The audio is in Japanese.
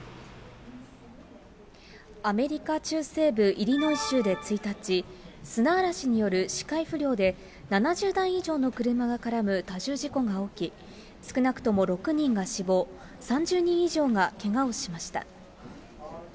アメリカ中西部イリノイ州で１日、砂嵐による視界不良で、７０台以上の車が絡む多重事故が起き、少なくとも６人が死亡、３０人以上がけがをしました。